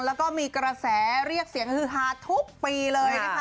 แล้วก็มีกระแสเรียกเสียงฮาทุกปีเลย